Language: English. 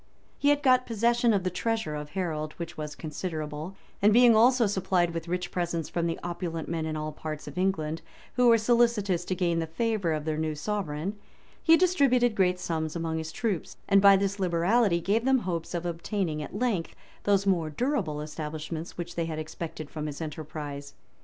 He had got possession of the treasure of Harold, which was considerable; and being also supplied with rich presents from the opulent men in all parts of England, who were solicitous to gain the favor of their new sovereign, he distributed great sums among his troops, and by this liberality gave them hopes of obtaining at length those more durable establishments which they had expected from his enterprise.